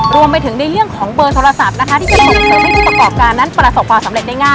รวมไปถึงในเรื่องของเบอร์โทรศัพท์นะคะ